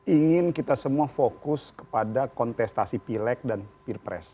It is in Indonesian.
ingin kita semua fokus kepada kontestasi pilek dan pilpres